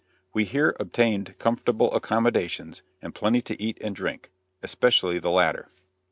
We here obtained comfortable accommodations and plenty to eat and drink especially the latter.